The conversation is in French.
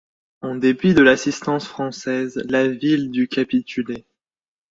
En dépit de l'assistance française, la ville dut capituler.